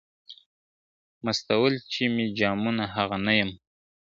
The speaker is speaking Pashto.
مستول چي مي جامونه هغه نه یم `